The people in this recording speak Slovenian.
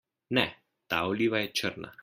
Ne, ta oliva je črna.